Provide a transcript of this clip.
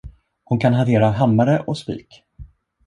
Hon kan hantera hammare och spik!